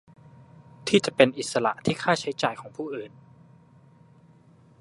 ที่จะเป็นอิสระที่ค่าใช้จ่ายของผู้อื่น